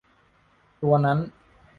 ตัวนั้น